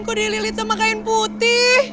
aku dililit sama kain putih